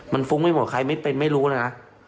มันฟุ้งไม่หมดใครไม่เป็นไม่รู้เลยนะ